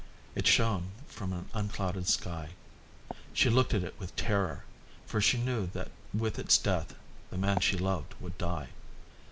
It shone from an unclouded sky. She looked at it with terror, for she knew that with its death the man she loved would die.